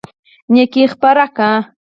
نيکي خپره کړه.